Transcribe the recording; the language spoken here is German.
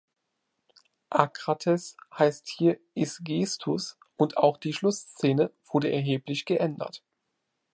Acrates heißt hier Isgeestus und auch die Schlussszene wurde erheblich geändert.